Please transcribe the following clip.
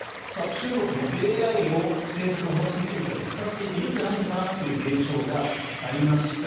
中国もＡＩを政策の方針転換に使っているんじゃないのかなという現象がありました。